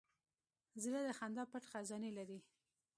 زړه د خندا پټ خزانې لري.